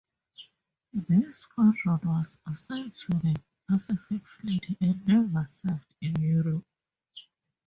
This squadron was assigned to the Pacific Fleet and never served in Europe.